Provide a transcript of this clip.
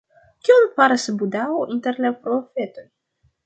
Kion faras Budao inter la profetoj?